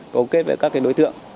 cố kết với các đối tượng